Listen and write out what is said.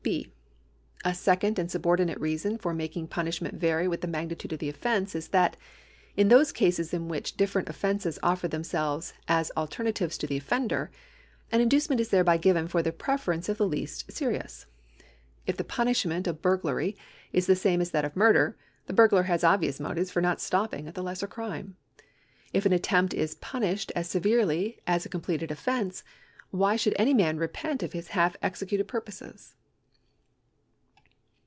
(h) A second and subordinate reason for making punish ment vary with the magnitude of the offence is that, in those cases in which different offences offer themselves as alter natives to the offender, an inducement is tlicreby given for the preference of the least serious. If the jiiniishment of burglary is the same as that of murder, the burglar has obvious motives for not stopping at the lesser crime. If an attempt is punished as severely as a completed offence, why should any man repent of his half executed purposes